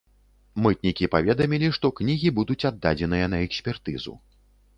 Мытнікі паведамілі, што кнігі будуць аддадзеныя на экспертызу.